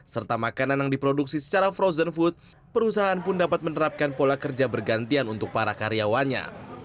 serta makanan yang diproduksi secara frozen food perusahaan pun dapat menerapkan pola kerja bergantian untuk para karyawannya